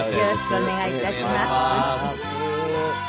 お願い致します。